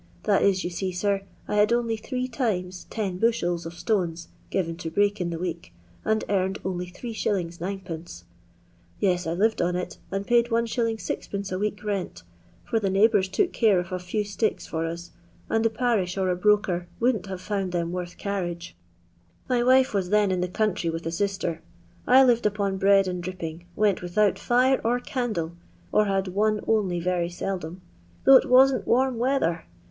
That is, you aee, sir, I had only three times ten bushels of stones given to break in the week, and earned only 8s. 9d. Yes, I lived on it, and paid 1$. 6d, a week rent, for the neighbours took care of a few sticks for us, and the parish or a broker wouldn't have found them worth carriage. My wife waa then in the country with a sister. I lived upon bread and dripping, went without fire or candle (or had one only rery seldom) though it wasn't warm weather.